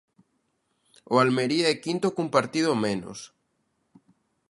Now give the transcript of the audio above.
O Almería é quinto cun partido menos.